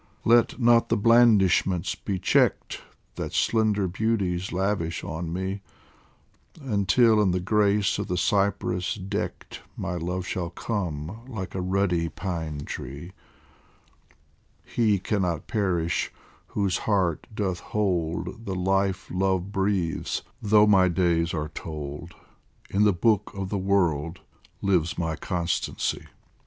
Let not the blandishments be checked That slender beauties lavish on me, Until in the grace of the cypress decked, My Love shall come like a ruddy pine tree 76 DIVAN OF HAFIZ He cannot perish whose heart doth hold The life love breathes though my days are told, In the Book of the World lives my constancy.